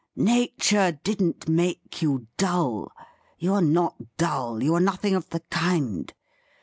' Nature didn't make you dull ; you are not dull — ^you are nothing of the kind.